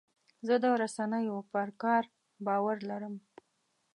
زه د رسنیو پر کار باور لرم.